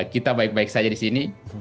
kita baik baik saja disini